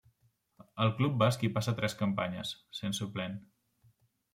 Al club basc hi passa tres campanyes, sent suplent.